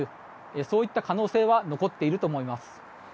そういった可能性は残っていると思います。